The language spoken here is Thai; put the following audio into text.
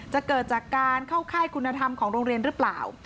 เกิดจากการเข้าค่ายคุณธรรมของโรงเรียนหรือเปล่า